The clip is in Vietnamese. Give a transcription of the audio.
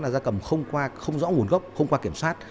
ra cầm không rõ nguồn gốc không qua kiểm soát